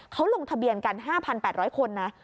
เขาลงทะเบียนกัน๕๘๐๐คนนะ